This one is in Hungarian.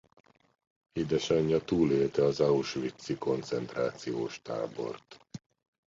Édesanyja túlélte az auschwitzi koncentrációs tábort.